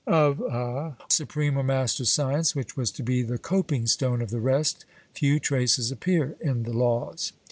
Of a supreme or master science which was to be the 'coping stone' of the rest, few traces appear in the Laws.